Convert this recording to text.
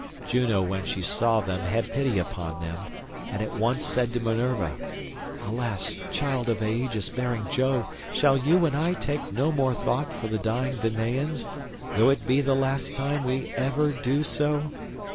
Juno when she saw them had pity upon them, and at once said to Minerva, "Alas, child of aegis bearing Jove, shall you and I take no more thought for the dying Danaans, though it be the last time we ever do so?